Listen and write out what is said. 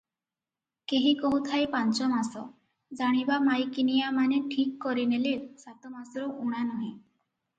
କେହି କହୁଥାଏ ପାଞ୍ଚ ମାସ, ଜାଣିବା ମାଇକିନିଆମାନେ ଠିକ କରିନେଲେ, ସାତ ମାସରୁ ଊଣା ନୁହେ ।